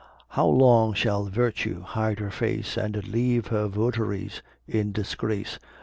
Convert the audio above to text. How long shall virtue hide her face, And leave her votaries in disgrace?